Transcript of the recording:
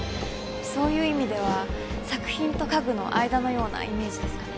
そういう意味では作品と家具の間のようなイメージですかね